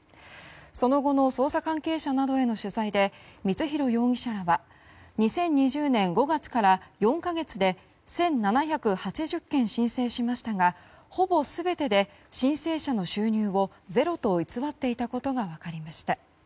その後の捜査関係者などへの取材で光弘容疑者らは２０２０年５月から４か月で１７８０件申請しましたがほぼ全てで、申請者の収入をゼロと偽っていたことが分かりました。